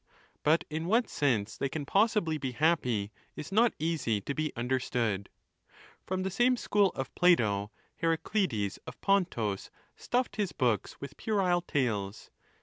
But in what sense they can possibly be happy is not easy to be understood. From the same school of Plato, Ileraclides of Pontus stuffed his books with puerile tales.